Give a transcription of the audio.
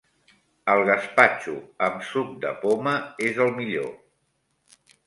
El gaspatxo amb suc de poma és el millor.